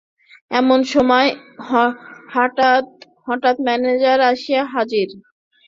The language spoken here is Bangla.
এমন সময়ে হাঠাত ম্যানেজার আসিয়া হাজির।